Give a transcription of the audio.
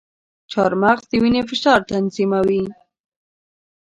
چارمغز د وینې فشار تنظیموي.